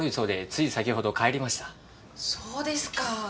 そうですか。